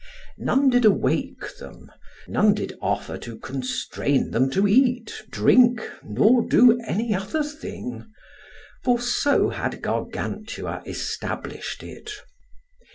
None did awake them, none did offer to constrain them to eat, drink, nor to do any other thing; for so had Gargantua established it.